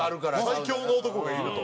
最強の男がいると。